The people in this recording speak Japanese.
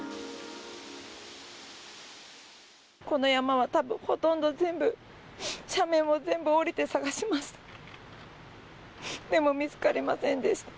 この山はたぶんほとんど全部、斜面も全部下りて捜しました。